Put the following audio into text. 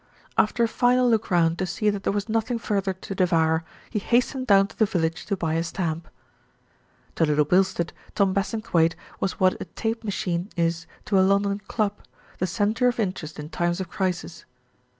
After a final look round to see that there was nothing further to devour, he hastened down to the village to buy a stamp. To Little Bilstead, Tom Bassingthwaighte was what a tape machine is to a London club, the centre of in terest in times of crisis.